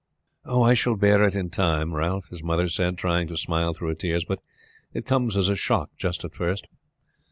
"I shall bear it in time, Ralph," his mother said, trying to smile through her tears. "But it comes as a shock just at first."